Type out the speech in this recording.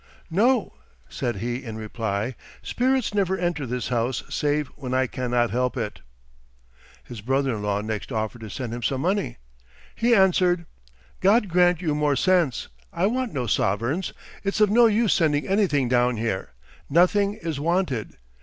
"No," said he in reply, "spirits never enter this house save when I cannot help it." His brother in law next offered to send him some money. He answered: "God grant you more sense! I want no sovereigns. It's of no use sending anything down here. Nothing is wanted.